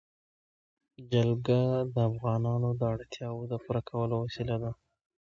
جلګه د افغانانو د اړتیاوو د پوره کولو وسیله ده.